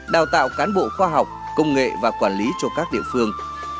đào tạo cán bộ khoa học công nghệ và quản lý cho các địa phương